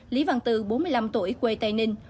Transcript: lý văn tư bốn mươi năm tuổi quê tây ninh